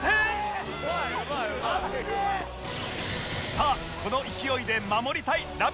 さあこの勢いで守りたいラブ！！